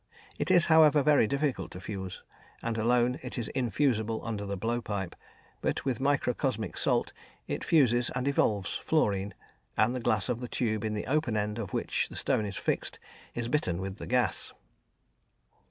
It is, however, very difficult to fuse, and alone it is infusible under the blowpipe, but with microcosmic salt it fuses and evolves fluorine, and the glass of the tube in the open end of which the stone is fixed is bitten with the gas.